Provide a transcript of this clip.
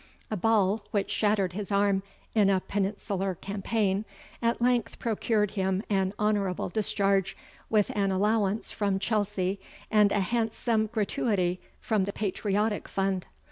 A ball, which shattered his arm in a peninsular campaign, at length procured him an honourable discharge. with an allowance from Chelsea, and a handsome gratuity from the patriotic fund.